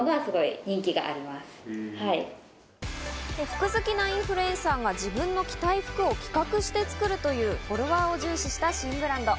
服好きなインフルエンサーが自分の着たい服を企画して作るというフォロワーを重視した新ブランド。